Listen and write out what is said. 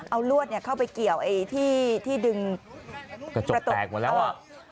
เอาลวดเนี่ยเข้าไปเกี่ยวไอที่ที่ดึงกระจกแตกกว่าแล้วอ่ะ